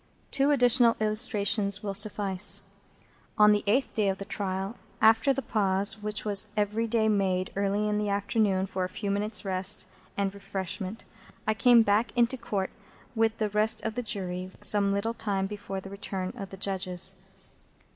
Two additional illustrations will suffice. On the eighth day of the trial, after the pause which was every day made early in the afternoon for a few minutes' rest and refreshment, I came back into Court with the rest of the Jury some little time before the return of the Judges.